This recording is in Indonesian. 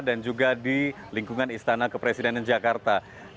dan juga di lingkungan istana kepresidenan jakarta